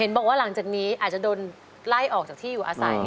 บอกว่าหลังจากนี้อาจจะโดนไล่ออกจากที่อยู่อาศัย